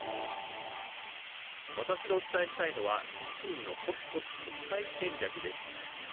私がお伝えしたいのは維新のコツコツ国会戦略です。